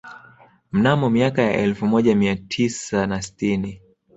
Mnamo miaka ya elfu moja mia tisa na sitini